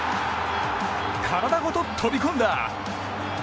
体ごと飛び込んだ！